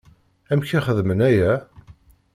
Amek i xedmen aya?